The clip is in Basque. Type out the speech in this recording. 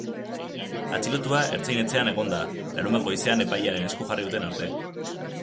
Atxilotua ertzain-etxean egon da, larunbat goizean epailearen esku jarri duten arte.